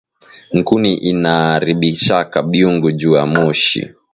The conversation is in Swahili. Nkuni inaaribishaka byungu juya moshi